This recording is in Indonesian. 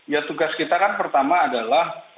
ya tugas kita kan pertama adalah